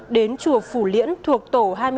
đến chùa phủ liễn thuộc tổ hai mươi ba